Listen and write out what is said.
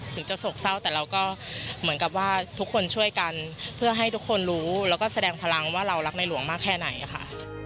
ถึงจะโศกเศร้าแต่เราก็เหมือนกับว่าทุกคนช่วยกันเพื่อให้ทุกคนรู้แล้วก็แสดงพลังว่าเรารักในหลวงมากแค่ไหนค่ะ